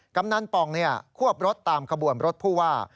กำนันป่องควบรถตามขบวนรถผู้ว่า